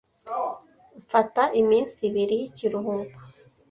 Mfata iminsi ibiri y'ikiruhuko.